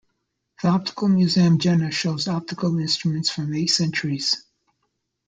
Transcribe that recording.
The Optical Museum Jena shows optical instruments from eight centuries.